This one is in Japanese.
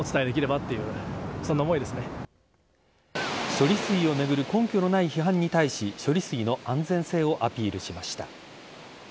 処理水を巡る根拠のない批判に対し処理水の安全性をアピールしました。